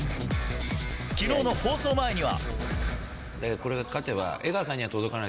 昨日の放送前には。